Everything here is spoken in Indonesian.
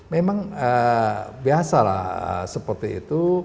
memang biasalah seperti itu